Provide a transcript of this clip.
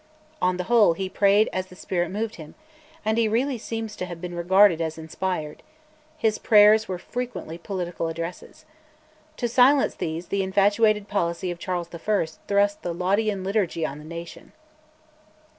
On the whole, he prayed "as the Spirit moved him," and he really seems to have been regarded as inspired; his prayers were frequently political addresses. To silence these the infatuated policy of Charles I. thrust the Laudian Liturgy on the nation.